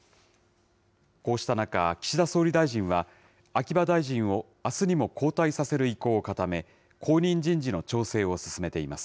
こうした中、岸田総理大臣は、秋葉大臣をあすにも交代させる意向を固め、後任人事の調整を進めています。